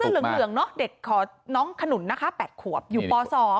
เด็กเสื้อเหลืองเนาะเด็กของน้องขนุนนะคะ๘ขวบอยู่ป๒